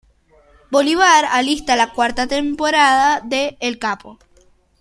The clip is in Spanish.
Bolívar alista la cuarta temporada de El capo.